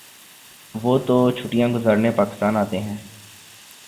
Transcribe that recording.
وہ تو چھٹیاں گزارنے پاکستان آتے ہیں۔